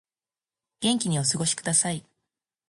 元気にお過ごしください